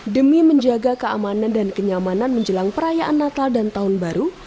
demi menjaga keamanan dan kenyamanan menjelang perayaan natal dan tahun baru